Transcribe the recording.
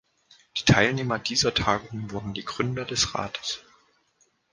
Die Teilnehmer dieser Tagung wurden die Gründer des Rates.